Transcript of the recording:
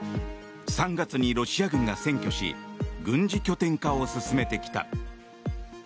３月にロシア軍が占拠し軍事拠点化を進めてきた。